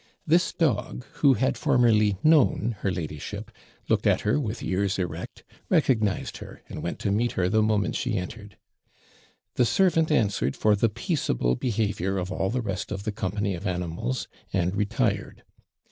This dog, who had formerly known her ladyship, looked at her with ears erect, recognised her, and went to meet her the moment she entered. The servant answered for the peaceable behaviour of all the rest of the company of animals, and retired.